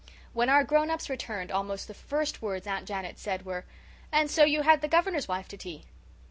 When our grown ups returned almost the first words Aunt Janet said were, "And so you had the Governor's wife to tea?"